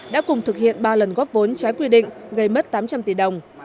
đã cùng thực hiện ba lần góp vốn trái quy định gây mất tám trăm linh tỷ đồng